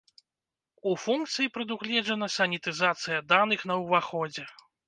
У функцыі прадугледжана санітызацыя даных на ўваходзе.